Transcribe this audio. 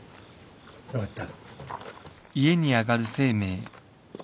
分かった。